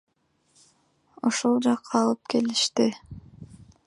Ушул жакка алып келишти.